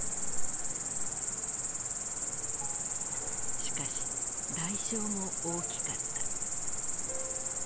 しかし代償も大きかった。